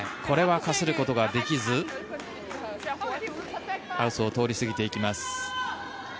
これはかすることができずハウスを通り過ぎていきます。